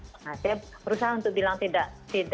nah saya berusaha untuk bilang tidak